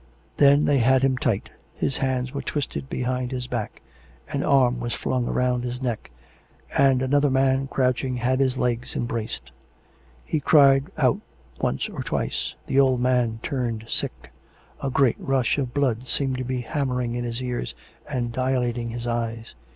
Then they had him tight; his hands were twisted behind his back; an arm was flung round his neck; and another man, crouching, had his legs embraced. He cried out once 428 COME RACK! COME ROPE! or twice. ... The old man turned sick ... a great rush of blood seemed to be hammering in his ears and dilating his eyes.